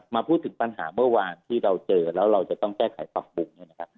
มาพูดถึงปัญหาเมื่อวานที่เราเจอแล้วเราจะต้องแจ้งไขฝักบุก